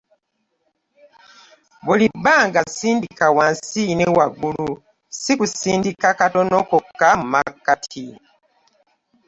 Buli bbanga sindika wansi ne waggulu, si kusindika katono kokka mu makkati.